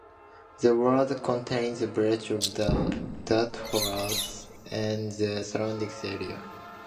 The ward contains the village of Dodworth and the surrounding area.